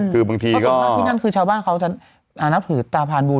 เพราะที่นั่นเช้าบ้านเขาจะอาจจะนับถือจากตาพลานบูญ